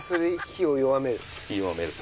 火弱める。